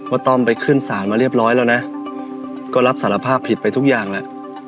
ต้อมไปขึ้นศาลมาเรียบร้อยแล้วนะก็รับสารภาพผิดไปทุกอย่างแล้ว